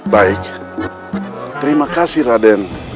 baik terima kasih raden